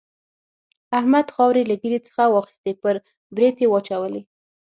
احمد خاورې له ږيرې څخه واخيستې پر برېت يې واچولې.